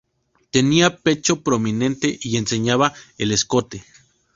Tenía pecho prominente y enseñaba el escote.